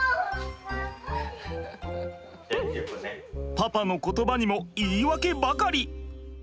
パパの言葉にも言い訳ばかり。